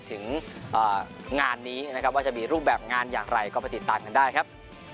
ถึงงานนี้นะครับว่าจะมีรูปแบบงานอย่างไรก็ไปติดตามกันได้ครับ